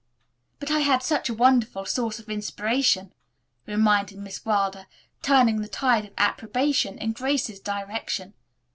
"But I had such a wonderful source of inspiration," reminded Miss Wilder, turning the tide of approbation in Grace's direction.